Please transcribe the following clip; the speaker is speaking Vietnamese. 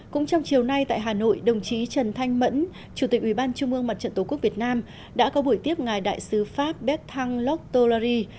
cũng trong chiều nay tại hà nội đồng chí trần thanh mẫn chủ tịch ubndtqvn đã có buổi tiếp ngài đại sứ pháp bét thăng loc tolary